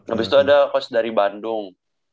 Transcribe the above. habis itu ada coach dari bandung